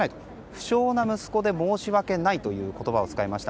不肖の息子で申し訳ないという言葉を使いました。